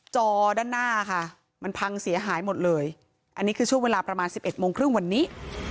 จอด้านหน้าค่ะมันพังเสียหายหมดเลยอันนี้คือช่วงเวลาประมาณ๑๑โมงครึ่งวันนี้